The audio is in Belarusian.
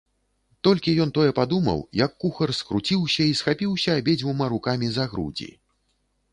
Толькі ён тое падумаў, як кухар скруціўся і схапіўся абедзвюма рукамі за грудзі.